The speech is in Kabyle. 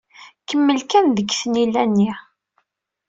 Kemmel kan deg tnila-nni.